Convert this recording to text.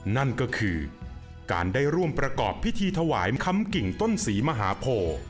นั่นก็คือการได้ร่วมประกอบพิธีถวายคำกิ่งต้นศรีมหาโพ